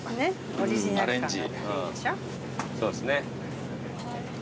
そうですね。